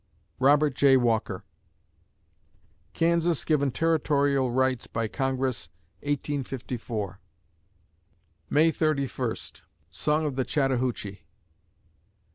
ROBERT J. WALKER Kansas given territorial rights by Congress, 1854 May Thirty First SONG OF THE CHATTAHOOCHEE